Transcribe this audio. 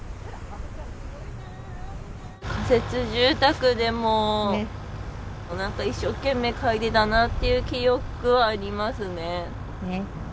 仮設住宅でもう何か一生懸命描いてたなって記憶はありますね。